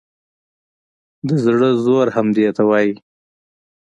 د زړه زور همدې ته وایي.